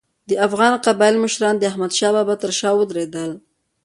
د افغان قبایلو مشران د احمدشاه بابا تر شا ودرېدل.